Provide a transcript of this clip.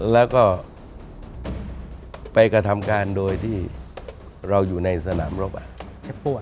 แล้วก็ไปกระทำการโดยที่เราอยู่ในสนามรบ